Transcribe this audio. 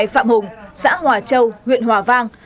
hai trăm ba mươi hai phạm hùng xã hòa châu nguyện hòa vang